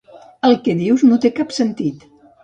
El que dius no té cap sentit.